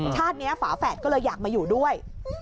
ชาตินี้ฝาแฝดก็เลยอยากมาอยู่ด้วย